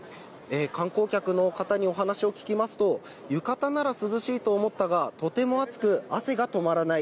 観光客の方にお話を聞きますと、浴衣なら涼しいと思ったが、とても暑く、汗が止まらない。